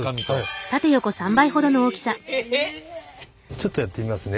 ちょっとやってみますね。